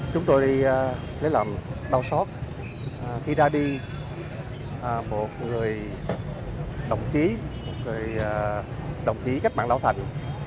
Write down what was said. chúng tôi lấy làm đau sót khi ra đi một người đồng chí cách mạng lão thành